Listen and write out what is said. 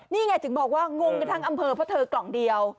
นี่ไงถึงบอกว่างงกันทั้งอำเภอเพราะเธอกล่องเดียว